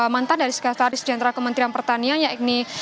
mantan dari sekretaris jenderal kementerian pertanian yakni